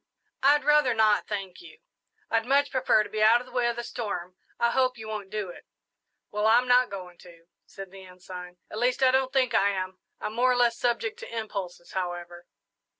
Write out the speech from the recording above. "I'd rather not, thank you I'd much prefer to be out of the way of the storm. I hope you won't do it." "Well, I'm not going to," said the Ensign; "at least, I don't think I am. I'm more or less subject to impulses, however."